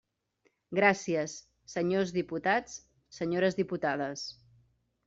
Gràcies, senyors diputats, senyores diputades.